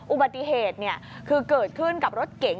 อุบัติเหตุคือเกิดขึ้นกับรถเก๋ง